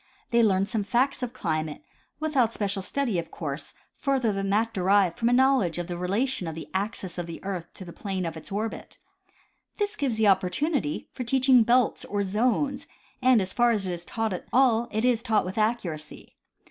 They learn some facts of climate without special stud}^, of course, further than that derived from a knowledge of the relation of the axis of the earth to the plane of its orbit. This gives opportunity for teaching belts or zones, and as far as it is taught at all it is taught with accuracy.